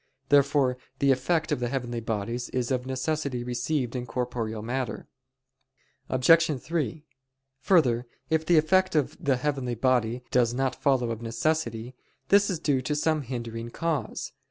Therefore the effect of the heavenly bodies is of necessity received in corporeal matter. Obj. 3: Further, if the effect of the heavenly body does not follow of necessity, this is due to some hindering cause.